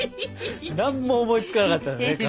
何も思いつかなかったんだねかまど。